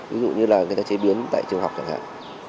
ví dụ như là người ta chế biến tại trường học chẳng hạn